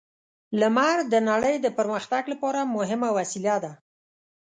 لمر د نړۍ د پرمختګ لپاره مهمه وسیله ده.